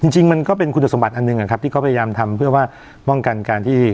จริงมันก็เป็นคุณสมบัติอันหนึ่งอะครับที่เขาพยายามทำเพื่อว่าป้องกันการที่